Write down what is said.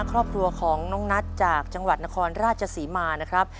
ครอบครัวของน้องนัทจากจังหวัดนครราชศรีมานะครับ